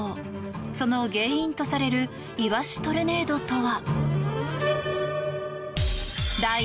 その原因とされるイワシトルネードとは？